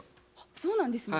そうなんですね。